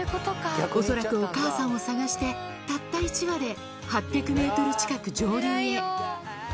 恐らくお母さんを捜して、たった１羽で、８００メートル近く上流へ。